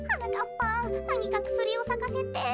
ぱんなにかくすりをさかせて。